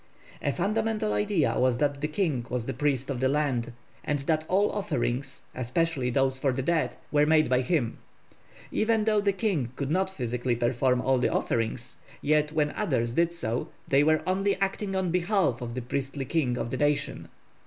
A fundamental idea was that the king was the priest of the land, and that all offerings (especially those for the dead) were made by him. Even though the king could not physically perform all the offerings, yet when others did so they were only acting on behalf of the priestly king of the nation.